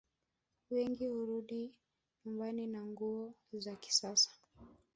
Wengi hurudi nyumbani na nguo za kisasa